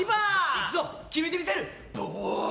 いくぞ、決めてみせる！